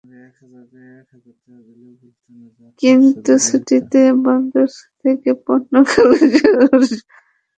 কিন্তু ছুটিতে বন্দর থেকে পণ্য খালাসের হারসহ নানা কার্যক্রমে স্থবিরতা থাকে।